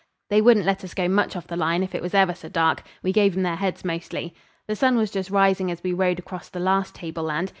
They wouldn't let us go much off the line if it was ever so dark. We gave 'em their heads mostly. The sun was just rising as we rode across the last tableland.